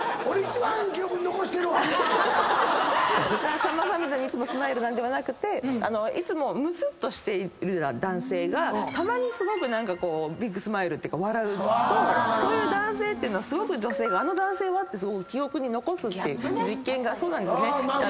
⁉さんまさんみたいにいつもスマイルではなくていつもムスッとしている男性がたまにすごくビッグスマイルっていうか笑うとそういう男性はすごく女性があの男性はって記憶に残すっていう実験があるんです。